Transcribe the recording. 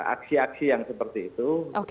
aksi aksi yang seperti itu